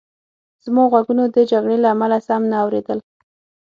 زما غوږونو د جګړې له امله سم نه اورېدل